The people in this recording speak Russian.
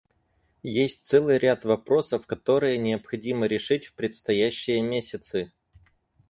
Есть целый ряд вопросов, которые необходимо решить в предстоящие месяцы.